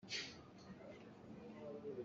Bia an i kamh tikah fawite in i kamh a si lo.